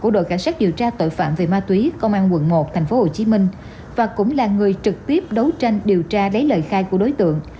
đội cảnh sát điều tra tội phạm về ma túy công an quận một tp hcm và cũng là người trực tiếp đấu tranh điều tra lấy lời khai của đối tượng